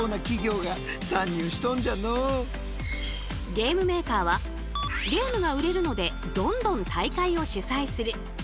ゲームメーカーはゲームが売れるのでどんどん大会を主催する。